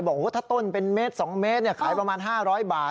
บอกว่าถ้าต้นเป็นเมตร๒เมตรขายประมาณ๕๐๐บาท